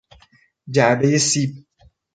جعبهی سیب